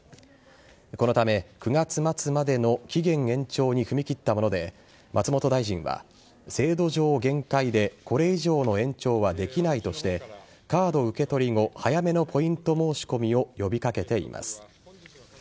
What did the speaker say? このため９月末までの期限延長に踏み切ったもので松本大臣は制度上限界でこれ以上の延長はできないとしてカード受け取り後早めのポイント申し込みを呼び掛けています。